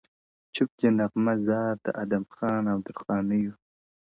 چوپ دی نغمه زار د آدم خان او درخانیو-